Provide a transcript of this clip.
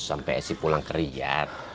sampai si pulang kerijat